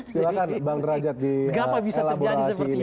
silahkan bang derajat di elaborasi ini